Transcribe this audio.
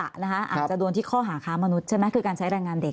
อาจจะโดนที่ข้อหาค้ามนุษย์ใช่ไหมคือการใช้แรงงานเด็ก